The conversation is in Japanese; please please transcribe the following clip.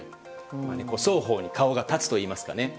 双方の顔が立つといいますかね。